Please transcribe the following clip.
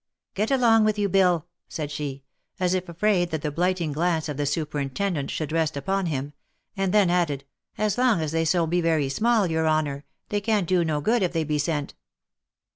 " Get along in with you, Bill," said she, as if afraid that the blighting glance of the superintendent should rest upon him ; and then added, " as long as they be so very small, your honour, they can't do no good if they be sent."